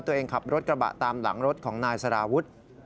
ขับรถกระบะตามหลังรถของนายสารวุฒิ